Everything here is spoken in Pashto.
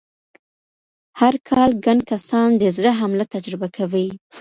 هرکال ګڼ کسان د زړه حمله تجربه کوي.